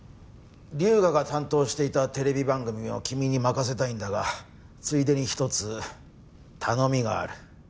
龍河が担当していたテレビ番組を君に任せたいんだがついでに一つ頼みがある。